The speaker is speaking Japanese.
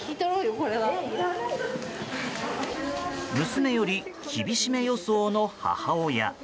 娘より厳しめ予想の母親。